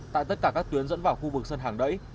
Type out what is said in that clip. tại tất cả các tuyến dẫn vào khu vực sân hàng đẩy